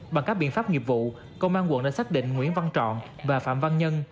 bằng các biện pháp nghiệp vụ công an quận đã xác định nguyễn văn trọn và phạm văn nhân